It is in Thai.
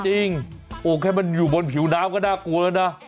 จริงโอ้แค่มันอยู่บนผิวน้ำก็น่ากลัวแล้วนะ